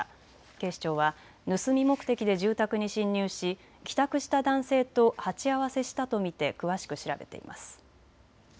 警視庁は盗み目的で住宅に侵入し帰宅した男性と鉢合わせしたと見て詳しく調べています。